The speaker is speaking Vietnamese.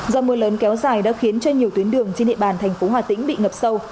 do mưa lớn kéo dài đã khiến cho nhiều tuyến đường trên địa bàn thành phố hà tĩnh bị ngập sâu